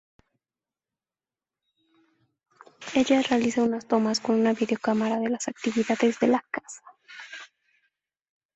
Ella realiza unas tomas con una videocámara de las actividades de la casa.